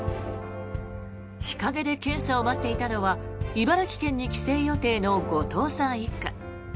日陰で検査を待っていたのは茨城県に帰省予定の後藤さん一家。